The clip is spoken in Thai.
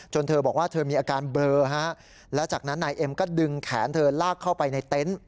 เธอบอกว่าเธอมีอาการเบลอฮะแล้วจากนั้นนายเอ็มก็ดึงแขนเธอลากเข้าไปในเต็นต์